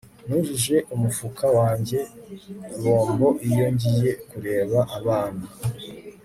Nujuje umufuka wanjye bombo iyo ngiye kureba abana